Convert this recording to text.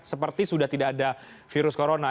seperti sudah tidak ada virus corona